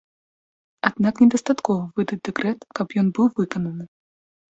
Аднак недастаткова выдаць дэкрэт, каб ён быў выкананы.